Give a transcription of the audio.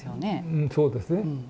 うんそうですね。